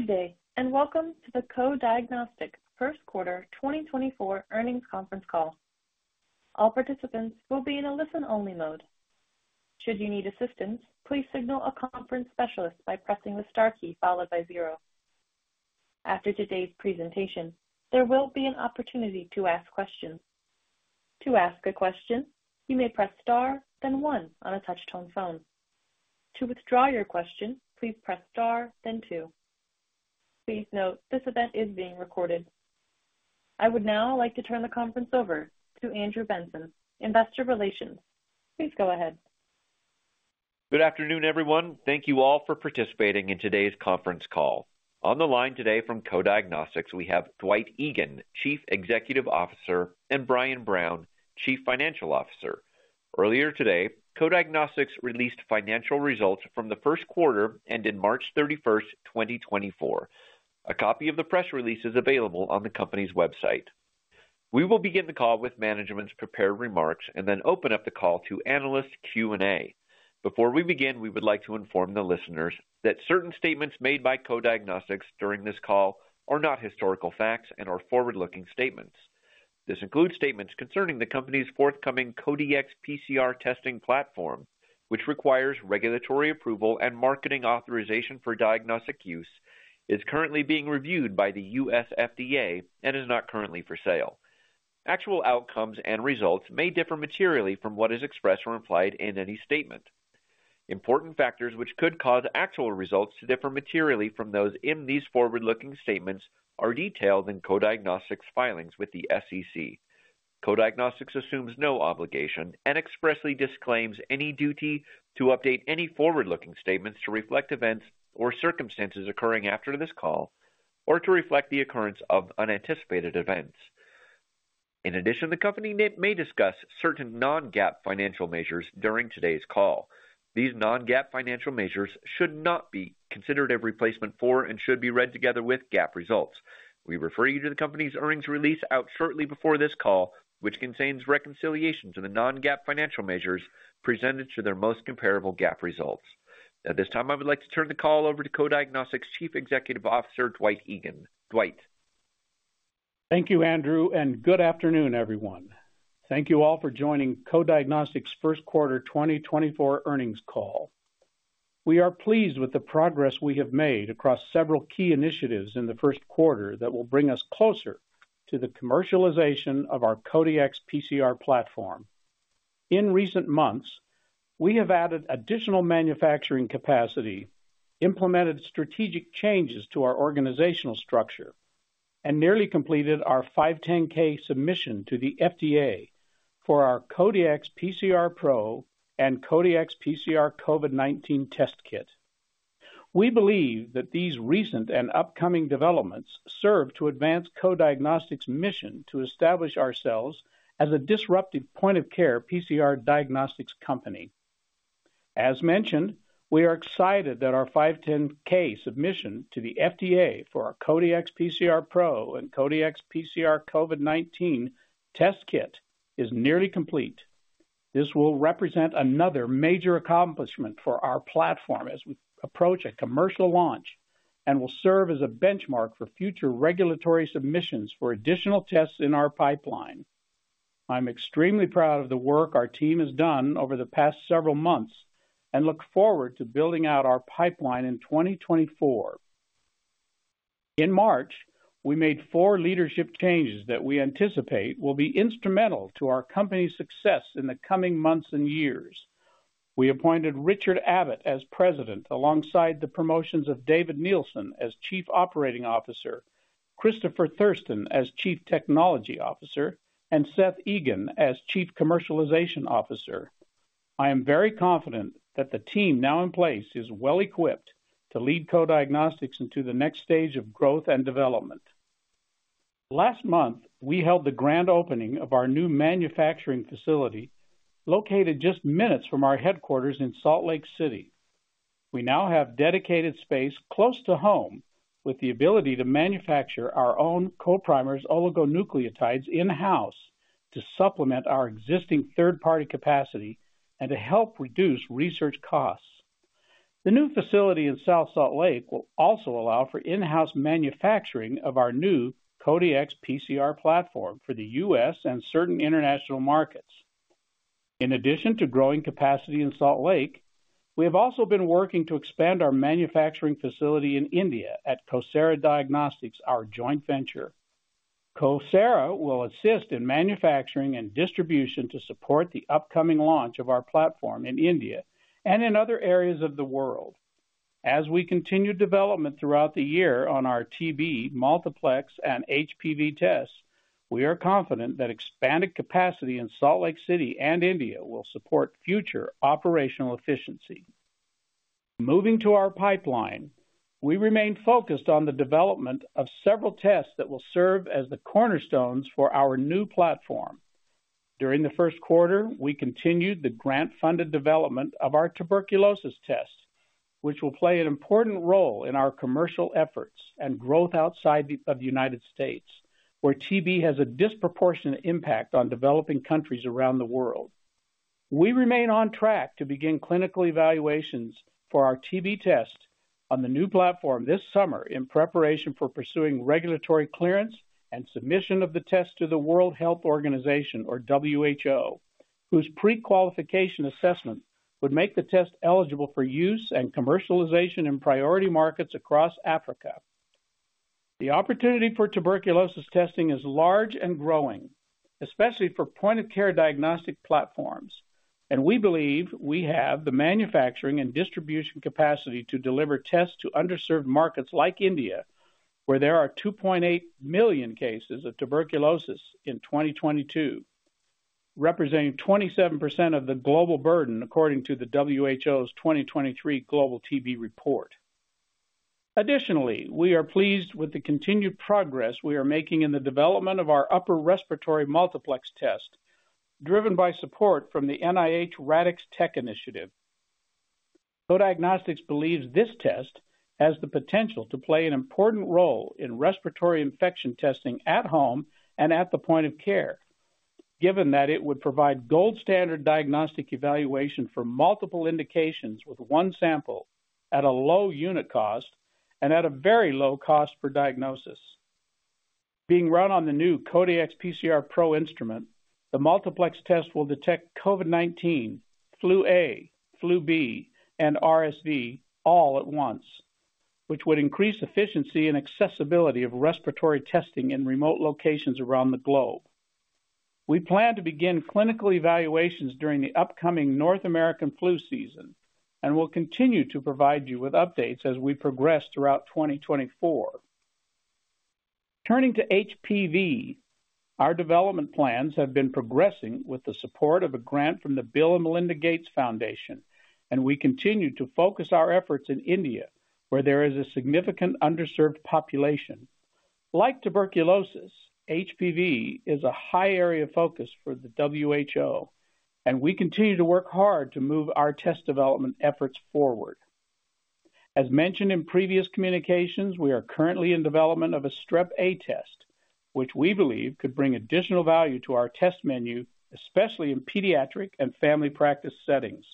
Good day and welcome to the Co-Diagnostics' first quarter 2024 earnings conference call. All participants will be in a listen-only mode. Should you need assistance, please signal a conference specialist by pressing the star key followed by zero. After today's presentation, there will be an opportunity to ask questions. To ask a question, you may press star, then one on a touch-tone phone. To withdraw your question, please press star, then two. Please note, this event is being recorded. I would now like to turn the conference over to Andrew Benson, Investor Relations. Please go ahead. Good afternoon, everyone. Thank you all for participating in today's conference call. On the line today from Co-Diagnostics, we have Dwight Egan, Chief Executive Officer, and Brian Brown, Chief Financial Officer. Earlier today, Co-Diagnostics released financial results from the first quarter and in March 31st, 2024. A copy of the press release is available on the company's website. We will begin the call with management's prepared remarks and then open up the call to analyst Q&A. Before we begin, we would like to inform the listeners that certain statements made by Co-Diagnostics during this call are not historical facts and are forward-looking statements. This includes statements concerning the company's forthcoming Co-Dx PCR testing platform, which requires regulatory approval and marketing authorization for diagnostic use, is currently being reviewed by the U.S. FDA, and is not currently for sale. Actual outcomes and results may differ materially from what is expressed or implied in any statement. Important factors which could cause actual results to differ materially from those in these forward-looking statements are detailed in Co-Diagnostics filings with the SEC. Co-Diagnostics assumes no obligation and expressly disclaims any duty to update any forward-looking statements to reflect events or circumstances occurring after this call, or to reflect the occurrence of unanticipated events. In addition, the company may discuss certain non-GAAP financial measures during today's call. These non-GAAP financial measures should not be considered a replacement for and should be read together with GAAP results. We refer you to the company's earnings release out shortly before this call, which contains reconciliations of the non-GAAP financial measures presented to their most comparable GAAP results. At this time, I would like to turn the call over to Co-Diagnostics Chief Executive Officer Dwight Egan. Dwight. Thank you, Andrew, and good afternoon, everyone. Thank you all for joining Co-Diagnostics first quarter 2024 earnings call. We are pleased with the progress we have made across several key initiatives in the first quarter that will bring us closer to the commercialization of our Co-Dx PCR platform. In recent months, we have added additional manufacturing capacity, implemented strategic changes to our organizational structure, and nearly completed our 510(k) submission to the FDA for our Co-Dx PCR Pro and Co-Dx PCR COVID-19 test kit. We believe that these recent and upcoming developments serve to advance Co-Diagnostics' mission to establish ourselves as a disruptive point-of-care PCR diagnostics company. As mentioned, we are excited that our 510(k) submission to the FDA for our Co-Dx PCR Pro and Co-Dx PCR COVID-19 test kit is nearly complete. This will represent another major accomplishment for our platform as we approach a commercial launch and will serve as a benchmark for future regulatory submissions for additional tests in our pipeline. I'm extremely proud of the work our team has done over the past several months and look forward to building out our pipeline in 2024. In March, we made four leadership changes that we anticipate will be instrumental to our company's success in the coming months and years. We appointed Richard Abbott as president alongside the promotions of David Nielsen as Chief Operating Officer, Christopher Thurston as Chief Technology Officer, and Seth Egan as Chief Commercialization Officer. I am very confident that the team now in place is well-equipped to lead Co-Diagnostics into the next stage of growth and development. Last month, we held the grand opening of our new manufacturing facility located just minutes from our headquarters in Salt Lake City. We now have dedicated space close to home with the ability to manufacture our own Co-Primers oligonucleotides in-house to supplement our existing third-party capacity and to help reduce research costs. The new facility in South Salt Lake will also allow for in-house manufacturing of our new Co-Dx PCR platform for the U.S. and certain international markets. In addition to growing capacity in Salt Lake, we have also been working to expand our manufacturing facility in India at CoSara Diagnostics, our joint venture. CoSara will assist in manufacturing and distribution to support the upcoming launch of our platform in India and in other areas of the world. As we continue development throughout the year on our TB, multiplex, and HPV tests, we are confident that expanded capacity in Salt Lake City and India will support future operational efficiency. Moving to our pipeline, we remain focused on the development of several tests that will serve as the cornerstones for our new platform. During the first quarter, we continued the grant-funded development of our tuberculosis test, which will play an important role in our commercial efforts and growth outside of the United States, where TB has a disproportionate impact on developing countries around the world. We remain on track to begin clinical evaluations for our TB test on the new platform this summer in preparation for pursuing regulatory clearance and submission of the test to the World Health Organization, or WHO, whose pre-qualification assessment would make the test eligible for use and commercialization in priority markets across Africa. The opportunity for tuberculosis testing is large and growing, especially for point-of-care diagnostic platforms, and we believe we have the manufacturing and distribution capacity to deliver tests to underserved markets like India, where there are 2.8 million cases of tuberculosis in 2022, representing 27% of the global burden according to the WHO's 2023 Global TB Report. Additionally, we are pleased with the continued progress we are making in the development of our upper respiratory multiplex test, driven by support from the NIH RADx Tech Initiative. Co-Diagnostics believes this test has the potential to play an important role in respiratory infection testing at home and at the point of care, given that it would provide gold standard diagnostic evaluation for multiple indications with one sample at a low unit cost and at a very low cost for diagnosis. Being run on the new Co-Dx PCR Pro instrument, the multiplex test will detect COVID-19, flu A, flu B, and RSV all at once, which would increase efficiency and accessibility of respiratory testing in remote locations around the globe. We plan to begin clinical evaluations during the upcoming North American flu season and will continue to provide you with updates as we progress throughout 2024. Turning to HPV, our development plans have been progressing with the support of a grant from the Bill & Melinda Gates Foundation, and we continue to focus our efforts in India, where there is a significant underserved population. Like tuberculosis, HPV is a high area of focus for the WHO, and we continue to work hard to move our test development efforts forward. As mentioned in previous communications, we are currently in development of a Strep A test, which we believe could bring additional value to our test menu, especially in pediatric and family practice settings.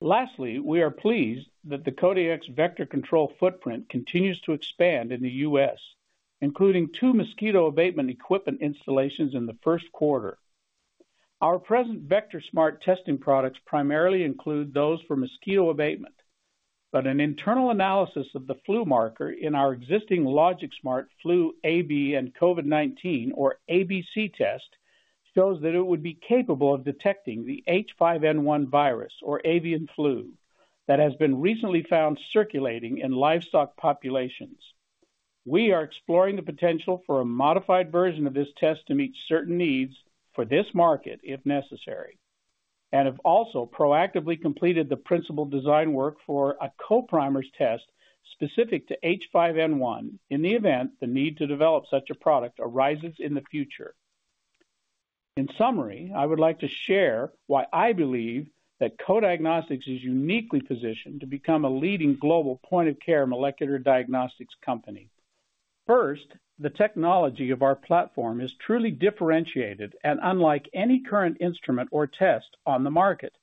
Lastly, we are pleased that the Co-Dx vector control footprint continues to expand in the U.S., including two mosquito abatement equipment installations in the first quarter. Our present Vector Smart testing products primarily include those for mosquito abatement, but an internal analysis of the flu marker in our existing Logix Smart flu A/B and COVID-19, or ABC, test shows that it would be capable of detecting the H5N1 virus, or avian flu, that has been recently found circulating in livestock populations. We are exploring the potential for a modified version of this test to meet certain needs for this market, if necessary, and have also proactively completed the principal design work for a Co-Primers test specific to H5N1 in the event the need to develop such a product arises in the future. In summary, I would like to share why I believe that Co-Diagnostics is uniquely positioned to become a leading global point-of-care molecular diagnostics company. First, the technology of our platform is truly differentiated and unlike any current instrument or test on the market,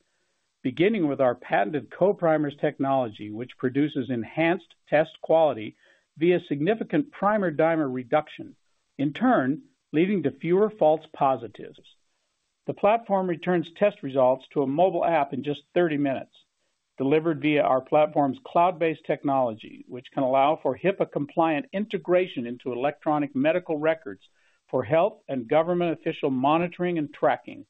beginning with our patented Co-Primers technology, which produces enhanced test quality via significant primer-dimer reduction, in turn leading to fewer false positives. The platform returns test results to a mobile app in just 30 minutes, delivered via our platform's cloud-based technology, which can allow for HIPAA-compliant integration into electronic medical records for health and government official monitoring and tracking.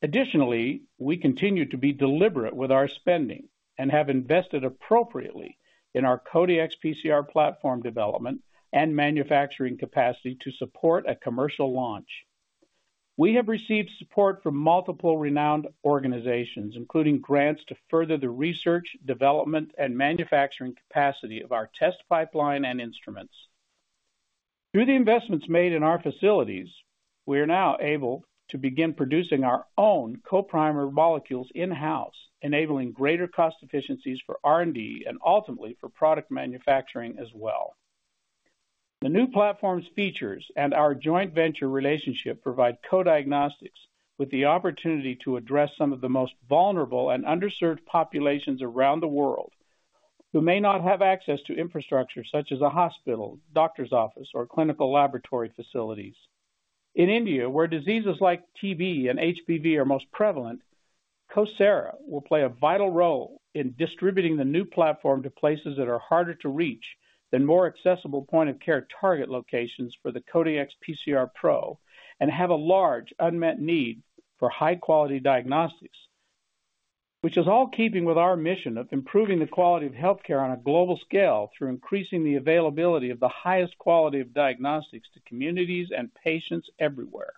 Additionally, we continue to be deliberate with our spending and have invested appropriately in our Co-Dx PCR platform development and manufacturing capacity to support a commercial launch. We have received support from multiple renowned organizations, including grants to further the research, development, and manufacturing capacity of our test pipeline and instruments. Through the investments made in our facilities, we are now able to begin producing our own Co-Primers molecules in-house, enabling greater cost efficiencies for R&D and ultimately for product manufacturing as well. The new platform's features and our joint venture relationship provide Co-Diagnostics with the opportunity to address some of the most vulnerable and underserved populations around the world who may not have access to infrastructure such as a hospital, doctor's office, or clinical laboratory facilities. In India, where diseases like TB and HPV are most prevalent, CoSara will play a vital role in distributing the new platform to places that are harder to reach than more accessible point-of-care target locations for the Co-Dx PCR Pro and have a large, unmet need for high-quality diagnostics, which is all keeping with our mission of improving the quality of healthcare on a global scale through increasing the availability of the highest quality of diagnostics to communities and patients everywhere.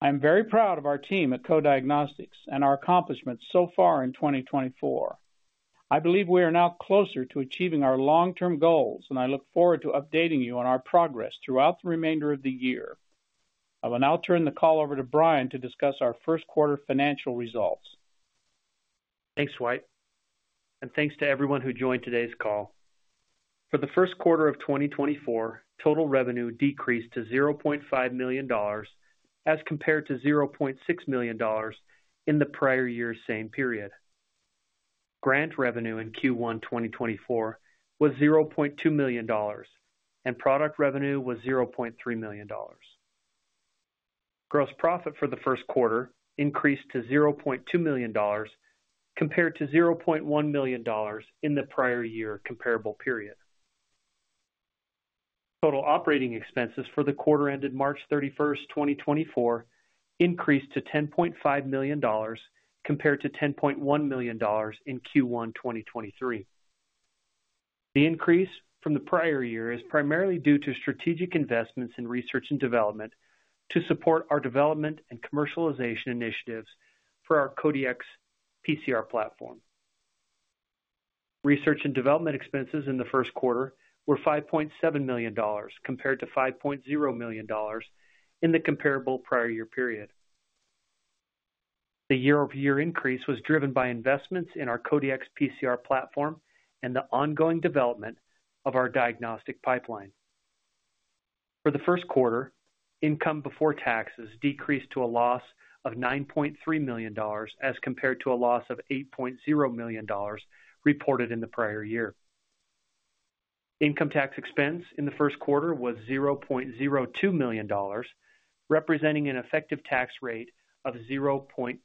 I am very proud of our team at Co-Diagnostics and our accomplishments so far in 2024. I believe we are now closer to achieving our long-term goals, and I look forward to updating you on our progress throughout the remainder of the year. I will now turn the call over to Brian to discuss our first quarter financial results. Thanks, Dwight, and thanks to everyone who joined today's call. For the first quarter of 2024, total revenue decreased to $0.5 million as compared to $0.6 million in the prior year's same period. Grant revenue in Q1 2024 was $0.2 million, and product revenue was $0.3 million. Gross profit for the first quarter increased to $0.2 million compared to $0.1 million in the prior year comparable period. Total operating expenses for the quarter ended March 31, 2024, increased to $10.5 million compared to $10.1 million in Q1 2023. The increase from the prior year is primarily due to strategic investments in research and development to support our development and commercialization initiatives for our Co-Dx PCR platform. Research and development expenses in the first quarter were $5.7 million compared to $5.0 million in the comparable prior year period. The year-over-year increase was driven by investments in our Co-Dx PCR platform and the ongoing development of our diagnostic pipeline. For the first quarter, income before taxes decreased to a loss of $9.3 million as compared to a loss of $8.0 million reported in the prior year. Income tax expense in the first quarter was $0.02 million, representing an effective tax rate of 0.2%.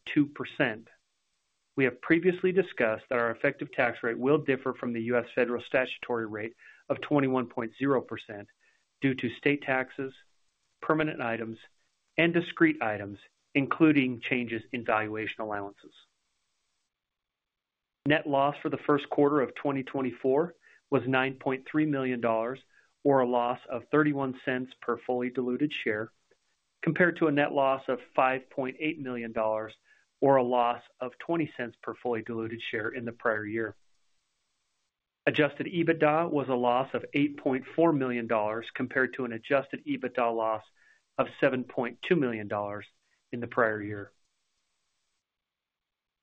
We have previously discussed that our effective tax rate will differ from the U.S. federal statutory rate of 21.0% due to state taxes, permanent items, and discrete items, including changes in valuation allowances. Net loss for the first quarter of 2024 was $9.3 million, or a loss of $0.31 per fully diluted share, compared to a net loss of $5.8 million, or a loss of $0.20 per fully diluted share in the prior year. Adjusted EBITDA was a loss of $8.4 million compared to an adjusted EBITDA loss of $7.2 million in the prior year.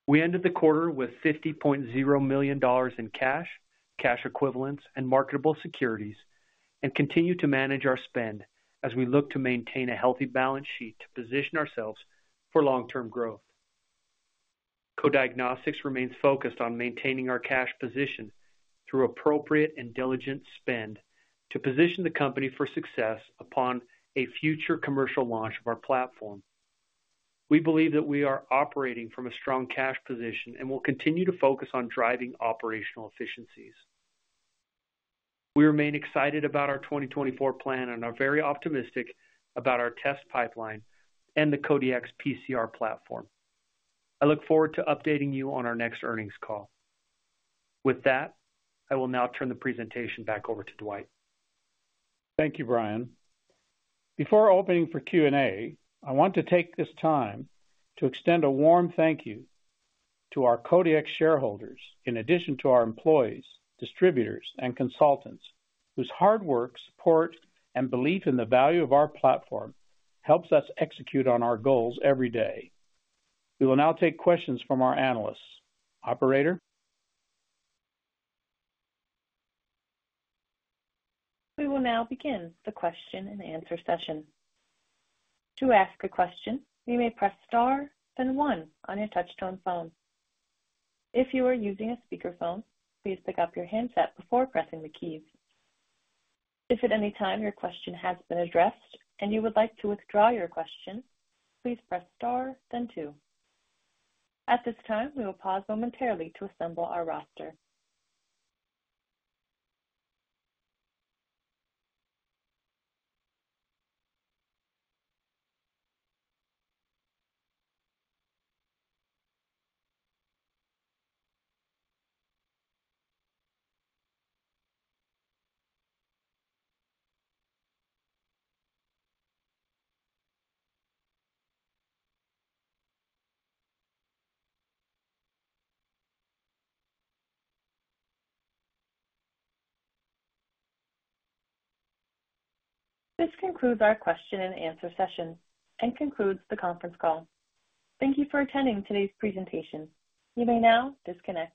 We ended the quarter with $50.0 million in cash, cash equivalents, and marketable securities, and continue to manage our spend as we look to maintain a healthy balance sheet to position ourselves for long-term growth. Co-Diagnostics remains focused on maintaining our cash position through appropriate and diligent spend to position the company for success upon a future commercial launch of our platform. We believe that we are operating from a strong cash position and will continue to focus on driving operational efficiencies. We remain excited about our 2024 plan and are very optimistic about our test pipeline and the Co-Dx PCR platform. I look forward to updating you on our next earnings call. With that, I will now turn the presentation back over to Dwight. Thank you, Brian. Before opening for Q&A, I want to take this time to extend a warm thank you to our CODX shareholders, in addition to our employees, distributors, and consultants, whose hard work, support, and belief in the value of our platform helps us execute on our goals every day. We will now take questions from our analysts. Operator? We will now begin the question-and-answer session. To ask a question, you may press star then one on your touch-tone phone. If you are using a speakerphone, please pick up your handset before pressing the keys. If at any time your question has been addressed and you would like to withdraw your question, please press star then two. At this time, we will pause momentarily to assemble our roster. This concludes our question-and-answer session and concludes the conference call. Thank you for attending today's presentation. You may now disconnect.